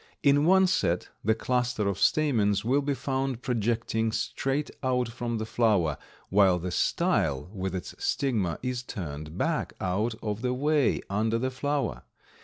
In one set the cluster of stamens will be found projecting straight out from the flower, while the style with its stigma is turned back out of the way under the flower.